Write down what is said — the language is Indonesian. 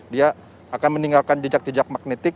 dia akan meninggalkan jejak jejak magnetik